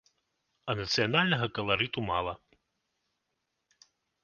А нацыянальнага каларыту мала.